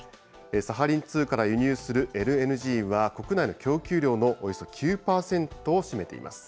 サハリン２から輸入するＬＮＧは、国内の供給量のおよそ９％を占めています。